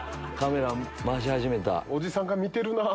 おじさんが見てるなぁ。